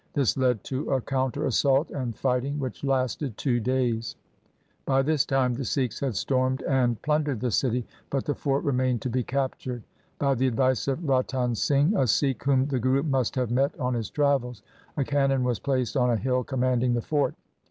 This led to a counter assault and fighting which lasted two days. By this time the Sikhs had stormed and plundered the city, but the fort remained to be captured. By the advice of Ratan Singh, a Sikh whom the Guru must have met on his travels, a cannon was placed on a hill commanding the fort.